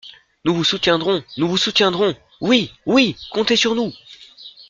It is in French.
»Nous vous soutiendrons ! nous vous soutiendrons ! »Oui ! oui ! comptez sur nous.